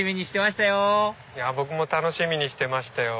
楽しみにしてましたよ